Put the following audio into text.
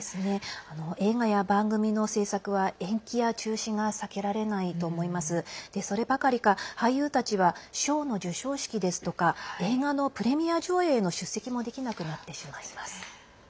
映画や番組の制作は延期や中止が避けられないばかりか俳優たちは賞の授賞式ですとか映画のプレミア上映への出席もできなくなってしまいます。